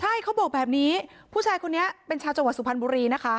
ใช่เขาบอกแบบนี้ผู้ชายคนนี้เป็นชาวจังหวัดสุพรรณบุรีนะคะ